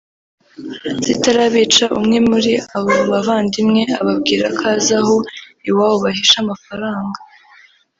zitarabica umwe muri abo bavandimwe ababwira ko azi aho iwabo bahisha amafaranga